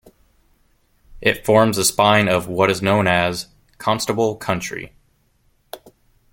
It forms the spine of what is known as "Constable country".